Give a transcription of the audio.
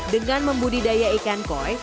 dengan membudidaya ikan koi